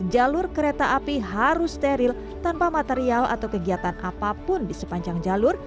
jalur kereta api harus steril tanpa material atau kegiatan apapun di sepanjang jalur